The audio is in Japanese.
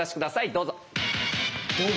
どうぞ！